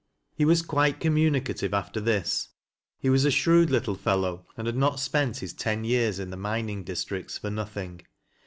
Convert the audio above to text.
He was quite communicative after this. He was a shrewd little fellow and had not spent his ten years iu the mining districts for nothing.